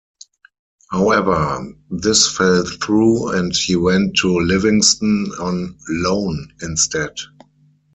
However, this fell through and he went to Livingston on loan instead.